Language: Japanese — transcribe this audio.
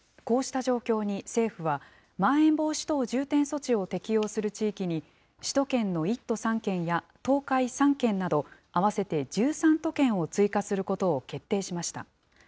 こうした状況に政府は、まん延防止等重点措置を適用する地域に、首都圏の１都３県や東海３県など、合わせて１３都県を追加することを決定しました。